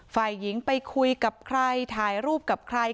ฝ่ายหญิงไปคุยกับใครถ่ายรูปกับใคร